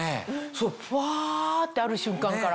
そうふわってある瞬間から。